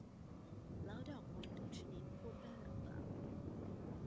แล้วดอกไม้ทุกชนิดพูดได้หรือเปล่า ?